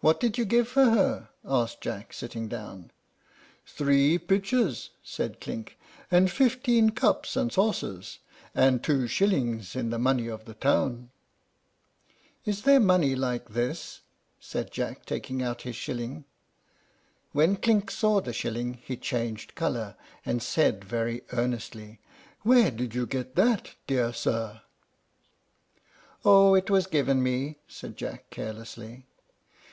"What did you give for her?" said Jack, sitting down. "Three pitchers," said Clink, "and fifteen cups and saucers, and two shillings in the money of the town." "Is their money like this?" said Jack, taking out his shilling. When Clink saw the shilling he changed color, and said, very earnestly, "Where did you get that, dear sir?" "Oh, it was given me," said Jack, carelessly.